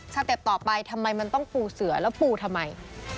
สเต็ปต่อไปทำไมมันต้องปูเสือแล้วปูทำไม